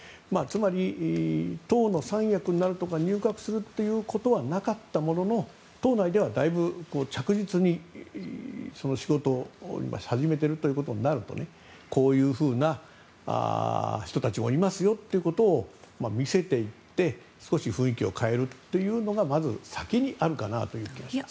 党の３役になるとか入閣することはなかったものの党内ではだいぶ着実に仕事を始めていることになるとこういうふうな人たちがおりますよということを見せていって少し雰囲気を変えるのがまず、先にあるかなという気がします。